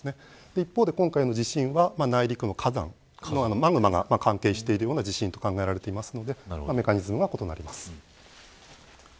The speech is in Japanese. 一方で、今回の地震は内陸の火山マグマが関係しているような地震と考えられているのでメカニズムは異なります。